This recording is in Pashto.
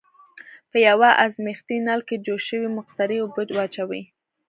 په یوه ازمیښتي نل کې جوش شوې مقطرې اوبه واچوئ.